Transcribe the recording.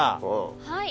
はい。